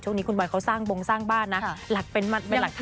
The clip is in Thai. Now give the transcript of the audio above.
ช่วงนี้คุณบอยเขาสร้างบงสร้างบ้านนะหลักเป็นมันเป็นหลักทางมันเป็น